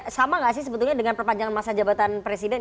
sama nggak sih sebetulnya dengan perpanjangan masa jabatan presiden